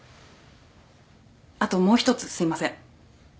あともう一つすいません。